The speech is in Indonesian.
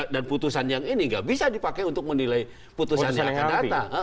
dan putusan yang ini nggak bisa dipakai untuk menilai putusan yang akan datang